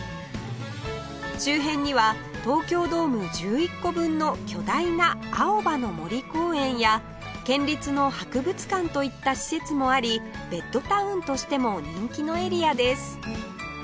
周辺には東京ドーム１１個分の巨大な青葉の森公園や県立の博物館といった施設もありベッドタウンとしても人気のエリアです